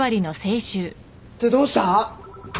ってどうした！？